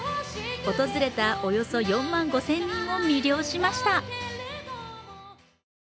訪れたおよそ４万５０００人を魅了しました。